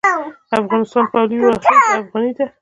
د افغانستان پولي واحد افغانۍ ده